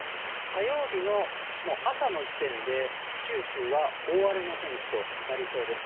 火曜日の朝の時点で、九州は大荒れの天気となりそうです。